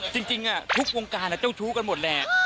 จริงทุกวงการเจ้าชู้กันหมดแหละ